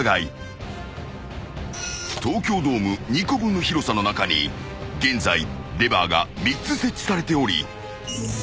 ［東京ドーム２個分の広さの中に現在レバーが３つ設置されており残り９５分の時点で